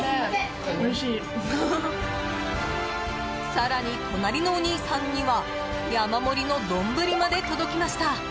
更に、隣のお兄さんには山盛りの丼まで届きました。